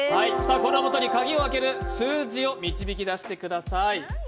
これをもとに鍵を開ける数字を導き出してください。